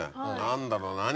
何だろう？